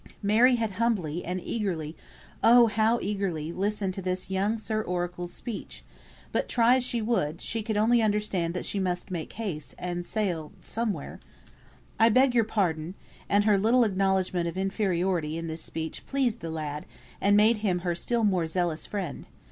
Mary had humbly and eagerly (oh, how eagerly!) listened to this young Sir Oracle's speech; but try as she would, she could only understand that she must make haste, and sail somewhere "I beg your pardon," (and her little acknowledgment of inferiority in this speech pleased the lad, and made him her still more zealous friend).